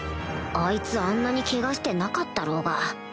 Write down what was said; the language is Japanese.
あいつあんなにケガしてなかったろうが